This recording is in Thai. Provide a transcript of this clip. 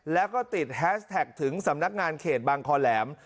แล้วก็ติดแฮชแท็กถึงสำนักงานเขตบางคอแหลม